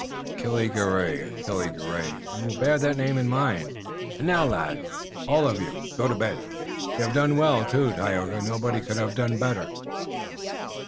Achille Garay! Achille Garay! We will bear that name in mind! Und now, lads, all of you go to bed. You haf done well, too, Tayoga. Nobody could haf done better."